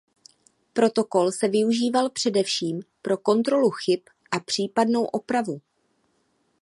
Protokol se využíval především pro kontrolu chyb a případnou opravu.